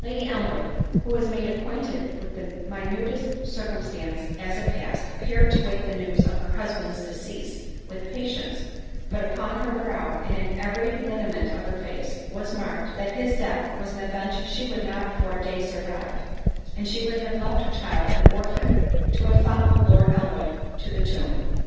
Lady Elmwood, who was made acquainted with the minutest circumstance as it passed, appeared to wait the news of her husband's decease with patience; but upon her brow, and in every lineament of her face was marked, that his death was an event she would not for a day survive: and she would have left her child an orphan, to have followed Lord Elmwood to the tomb.